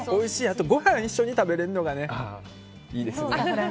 あと、ご飯一緒に食べれるのがいいですね。